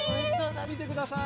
みてください！